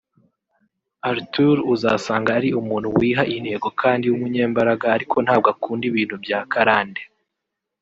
Arthur uzasanga ari umuntu wiha intego kandi w’umunyembaraga ariko ntabwo akunda ibintu bya karande